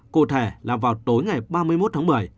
cụ thể là vào tối ngày ba mươi một tháng một mươi